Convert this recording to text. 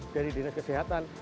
dari dinas kesehatan